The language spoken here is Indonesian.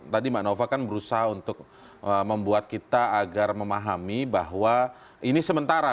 tadi mbak nova kan berusaha untuk membuat kita agar memahami bahwa ini sementara